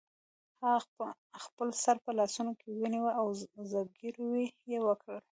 هغه خپل سر په لاسونو کې ونیو او زګیروی یې وکړ